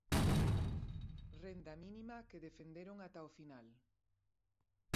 Renda mínima que defenderon ata o final.